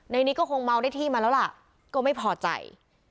นิดก็คงเมาได้ที่มาแล้วล่ะก็ไม่พอใจ